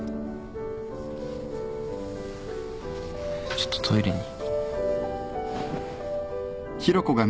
ちょっとトイレに。